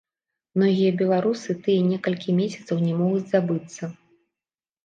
Многія беларусы тыя некалькі месяцаў не могуць забыцца.